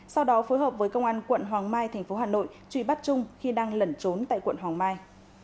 sau đó phối hợp với công an quận hoàng mai thành phố hà nội truy bắt trung khi đang lẩn trốn tại quận hoàng mai